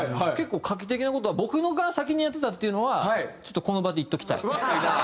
結構画期的な事は僕のが先にやってたっていうのはちょっとこの場で言っておきたい。